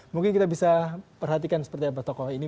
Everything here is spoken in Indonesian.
mungkin kita bisa perhatikan seperti apa tokoh ini